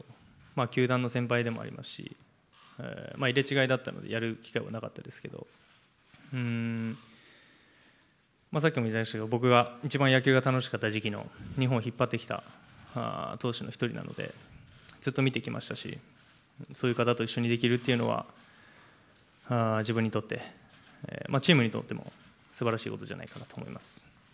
球団の先輩でもありますし、入れ違いだったので、やる機会はなかったですけど、さっきも言いましたけど、僕が一番野球が楽しかった時期の日本を引っ張ってきた投手の一人なので、ずっと見てきましたし、そういう方と一緒にできるっていうのは、自分にとって、チームにとってもすばらしいことじゃないかなと思います。